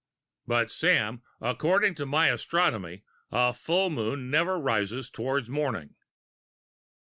"But, Sam, according to my astronomy a full moon never rises towards morning."